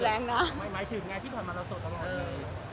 หมายถึงไงที่ผ่านมาเราสดต่อมาวันนี้